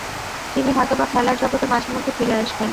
তিনি হয়তোবা খেলার জগতে মাঝে-মধ্যে ফিরে আসবেন।